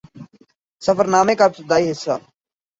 سفر نامے کا ابتدائی حصہ